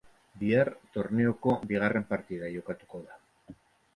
Bihar torneoko bigarren partida jokatuko da.